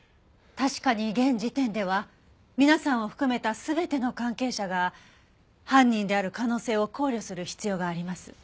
確かに現時点では皆さんを含めた全ての関係者が犯人である可能性を考慮する必要があります。